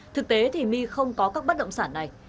thực tế thì my không có các bất động sản này